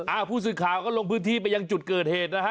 ผู้สื่อข่าวก็ลงพื้นที่ไปยังจุดเกิดเหตุนะฮะ